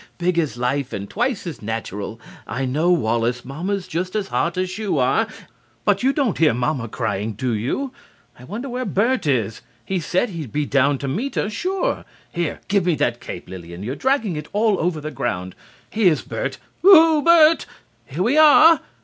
Big as life and twice as natural.... I know, Wallace, Mamma's just as hot as you are. But you don't hear Mamma crying do you?... I wonder where Bert is.... He said he'd be down to meet us sure.... Here, give me that cape, Lillian.... You're dragging it all over the ground.... Here's Bert!... Whoo hoo, Bert!... Here we are!...